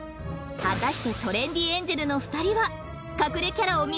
［果たしてトレンディエンジェルの２人は］